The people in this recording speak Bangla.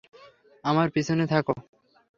আমার পিছনে থাকো!